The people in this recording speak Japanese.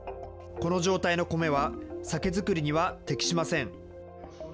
この状態の米は酒造りには適しません。